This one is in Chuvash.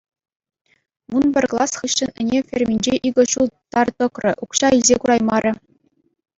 Вун пӗр класс хыҫҫӑн ӗне ферминче икӗ ҫул тар тӑкрӗ, укҫа илсе кураймарӗ.